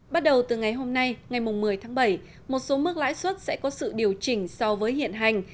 bắt đầu từ ngày hôm nay ngày một mươi tháng bảy một số mức lãi suất sẽ có sự điều chỉnh so với hiện hành